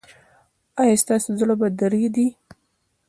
ایا ستاسو زړه به دریدي؟